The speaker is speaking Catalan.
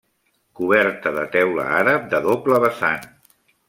Coberta de teula àrab de doble vessant.